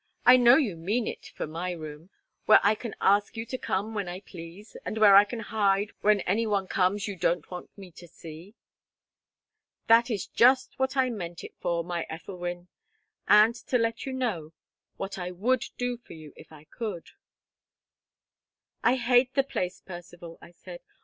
I know you mean it for my room, where I can ask you to come when I please, and where I can hide when any one comes you don't want me to see." "That is just what I meant it for, my Ethelwyn, and to let you know what I would do for you if I could." "I hate the place, Percivale," I said.